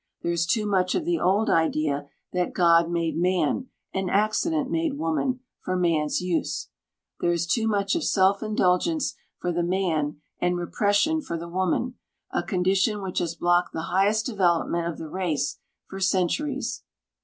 There is too much of the old idea that God made man, and accident made woman, for man's use. There is too much of self indulgence for the man, and repression for the woman, a condition which has blocked the highest development of the race for centuries.